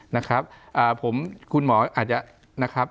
นะครับอ่าผมคุณหมออาจจะนะครับ